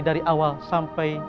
dari awal sampai